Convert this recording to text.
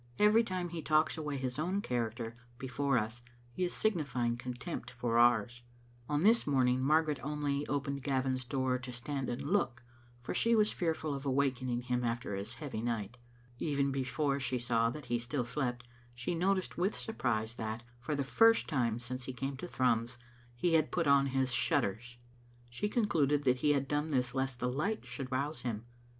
Every time he talks away his own character before us he is signifying contempt for ours. Digitized by VjOOQ IC Vbe HOomtn Con0f^cte^ in Hl>0eiice« 91 On this morning Margaret only opened Gavin's door to stand and look, for she was fearful of awakening him after his heavy night. Even before she saw that he still slept she noticed with surprise that, for the first time since he came to Thrums, he had put on his shut ters. She concluded that he had done this lest the light should rouse him.